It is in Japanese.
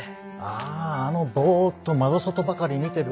ああのボっと窓外ばかり見てる。